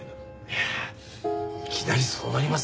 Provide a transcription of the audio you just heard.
いやあいきなりそうなります？